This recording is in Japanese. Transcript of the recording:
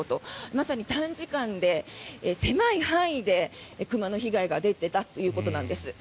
まさに短時間で狭い範囲で熊の被害が出ていたということなんです。